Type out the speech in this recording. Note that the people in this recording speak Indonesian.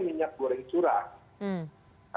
minyak goreng curah